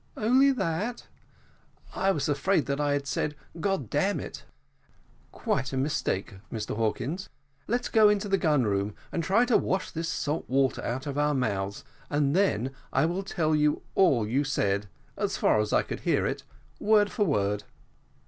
'" "Only that? I was afraid that I said `God damn it!'" "Quite a mistake, Mr Hawkins. Let's go into the gun room, and try to wash this salt water out of our mouths, and then I will tell you all you said, as far as I could hear it, word for word."